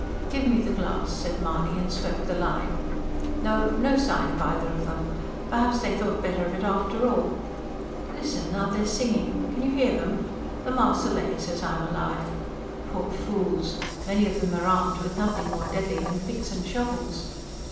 "Give me the glass," said Mahony, and swept the line. "No, no sign of either of them. Perhaps they thought better of it after all. Listen! now they're singing can you hear them? The MARSEILLAISE as I'm alive. Poor fools! Many of them are armed with nothing more deadly than picks and shovels."